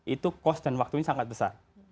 itu cost dan waktunya sangat besar